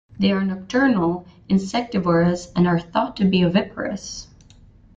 They are nocturnal, insectivorous and are thought to be oviparous.